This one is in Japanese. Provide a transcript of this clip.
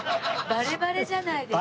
バレバレじゃないですか。